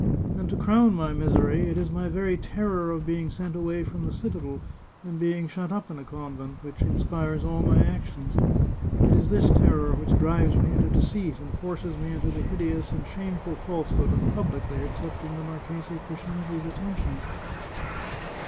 And to crown my misery, it is my very terror of being sent away from the citadel, and being shut up in a convent, which in spires all my actions. It is this terror which drives me into deceit, and forces me into the hideous and shameful false hood of publicly accepting the Marchese Crescenzi's atten tions."